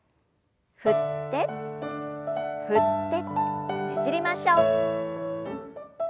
振って振ってねじりましょう。